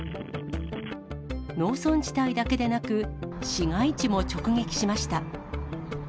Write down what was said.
農村地帯だけでなく、市街地も直撃しました。